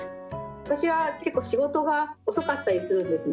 私は結構仕事が遅かったりするんですね。